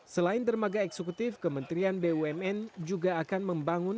selain dermaga eksekutif kementerian bumn juga akan membangun